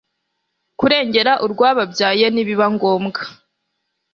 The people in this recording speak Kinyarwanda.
kurengera urwababyaye nibiba ngombwa